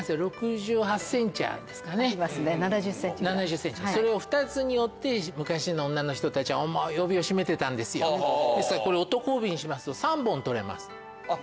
７０ｃｍぐらいそれを２つに折って昔の女の人たちは重い帯を締めてたんですよですからこれを男帯にしますと３本取れますあっ